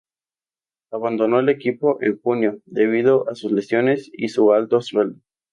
Abandonó el equipo en junio debido a sus lesiones y su alto sueldo.